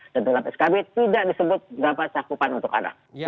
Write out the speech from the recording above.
dan dalam skb tidak disebut berapa cakupan untuk pendidik